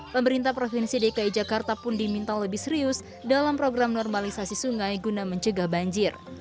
pemerintah provinsi dki jakarta pun diminta lebih serius dalam program normalisasi sungai guna mencegah banjir